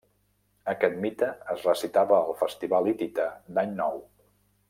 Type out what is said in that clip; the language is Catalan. Aquest mite es recitava al Festival hitita d'Any Nou.